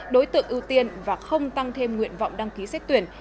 đối tượng ưu tiên và không tăng thêm nguyện vọng đăng ký xét tuyển